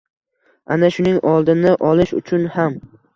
Ana shuning oldini olish uchun ham